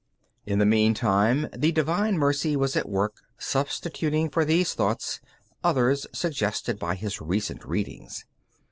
In the meantime the divine mercy was at work substituting for these thoughts others suggested by his recent readings.